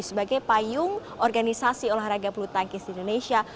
sebagai payung organisasi olahraga bulu tangkis di indonesia